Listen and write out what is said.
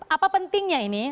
apa pentingnya ini